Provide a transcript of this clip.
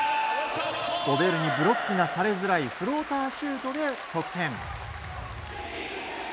ゴベールにブロックがされずらいフローターシュートで得点。